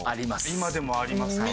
今でもありますか。